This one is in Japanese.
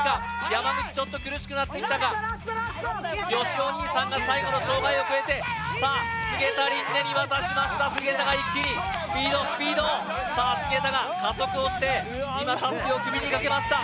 山口ちょっと苦しくなってきたかよしお兄さんが最後の障害を越えてさあ菅田琳寧に渡しました菅田が一気にスピードスピードさあ菅田が加速をして今タスキを首にかけました